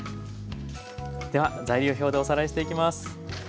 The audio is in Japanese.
では材料表でおさらいしていきます。